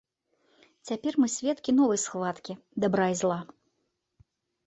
Цяпер мы сведкі новай схваткі дабра і зла.